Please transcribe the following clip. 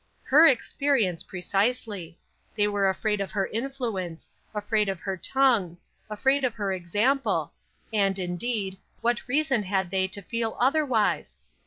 Her experience precisely! They were afraid of her influence; afraid of her tongue; afraid of her example; and, indeed, what reason had they to feel otherwise?